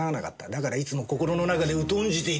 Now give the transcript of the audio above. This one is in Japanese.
だからいつも心の中で疎んじていた。